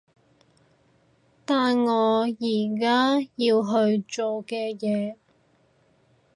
但我而家要去做嘅嘢